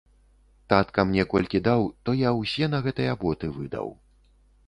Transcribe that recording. Татка мне колькі даў, то я ўсе на гэтыя боты выдаў.